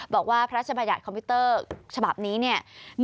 บอกว่าพระราชบัญญัติคอมพิวเตอร์ฉบับนี้เนี่ย